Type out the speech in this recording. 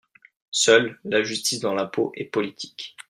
Seule, la justice dans l’impôt est politique.